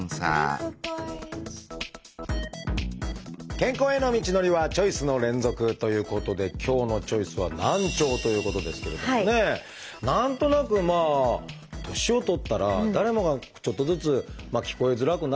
健康への道のりはチョイスの連続！ということで今日の「チョイス」は何となくまあ年を取ったら誰もがちょっとずつ聞こえづらくなるのかな